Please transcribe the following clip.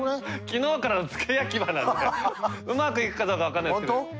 昨日からの付け焼き刃なんでうまくいくかどうか分かんないですけどやらせてもらいます。